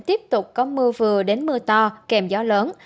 tiếp tục có mưa vừa đến mưa to kèm gió lớn